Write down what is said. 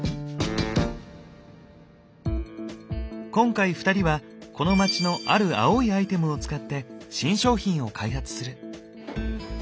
今回２人はこの町のある青いアイテムを使って新商品を開発する。